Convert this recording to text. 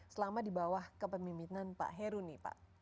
selama di bawah kepemimpinan pak heruni pak